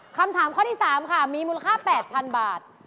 คำถามข้อที่๓ค่ะมีมูลค่า๘๐๐๐บาท